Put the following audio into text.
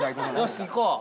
よし行こう。